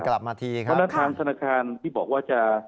เพราะนักศาลสนาคารที่บอกว่าจะ